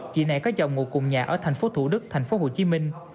chị này có chồng ngồi cùng nhà ở tp thủ đức tp hồ chí minh